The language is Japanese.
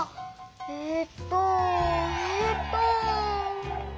えっとえっと。